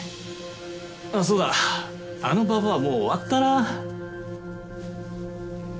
あっそうだあのババアもう終わったな。